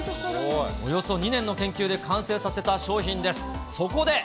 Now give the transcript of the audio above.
およそ２年の研究で完成させた商品です。